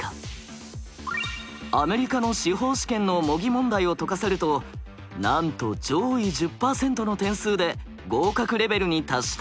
アメリカの司法試験の模擬問題を解かせるとなんと上位１０％の点数で合格レベルに達したといいます。